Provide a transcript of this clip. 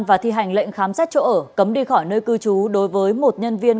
và thi hành lệnh khám xét chỗ ở cấm đi khỏi nơi cư trú đối với một nhân viên